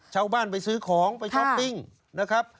เช้าบ้านไปซื้อของไปซ่อมครับ